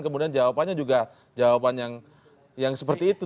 kemudian jawabannya juga jawaban yang seperti itu